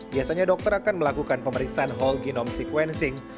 biasanya dokter akan melakukan pemeriksaan whole genome sequencing